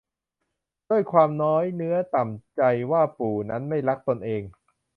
ด้วยความน้อยเนื้อต่ำใจว่าปู่นั้นไม่รักตนเอง